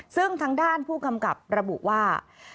ซึ่งทางด้านผู้กำกับระบุว่า